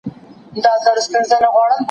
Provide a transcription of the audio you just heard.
زموږ کور ته نژدې یو لوی بڼ دی.